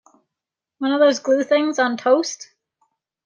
One of those glue things on toast?